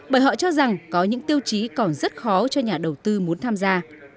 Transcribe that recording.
bởi họ cho rằng có những tiêu chí còn rất khó cho nhà đầu tư muốn tham gia